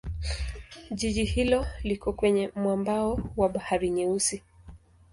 Jiji hilo liko kwenye mwambao wa Bahari Nyeusi.